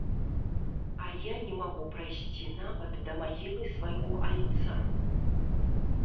А я не магу прайсці нават да магілы свайго айца.